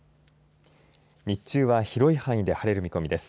日中は広い範囲で晴れる見込みです。